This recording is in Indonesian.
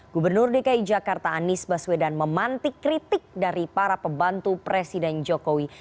gubernur dki jakarta anies baswedan memantik kritik dari para pembantu presiden jokowi